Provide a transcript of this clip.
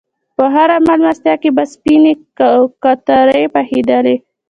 په هره میلمستیا کې به سپینې کترې پخېدلې.